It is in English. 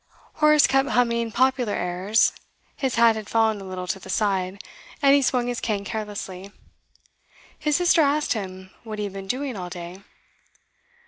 Horace kept humming popular airs; his hat had fallen a little to the side, and he swung his cane carelessly. His sister asked him what he had been doing all day.